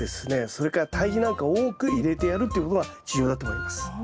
それから堆肥なんかを多く入れてやるっていうことが重要だと思います。